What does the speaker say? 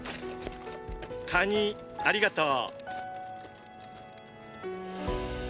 カニありがとう。